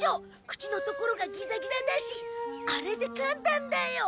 口のところがギザギザだしあれでかんだんだよ。